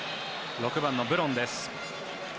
６番のブロンです。